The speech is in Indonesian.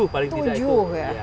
tujuh paling tidak itu